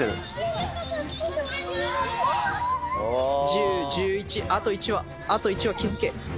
１０・１１あと１羽あと１羽気付け。